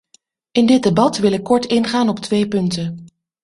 In dit debat wil ik kort ingaan op twee punten.